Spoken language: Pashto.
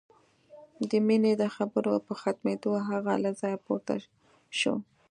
د مينې د خبرو په ختمېدو هغه له ځايه پورته شو.